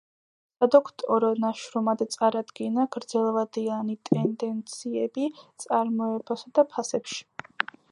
სადოქტორო ნაშრომად წარადგინა: „გრძელვადიანი ტენდენციები წარმოებასა და ფასებში“.